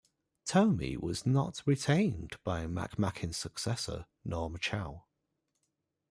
Tomey was not retained by McMackin's successor, Norm Chow.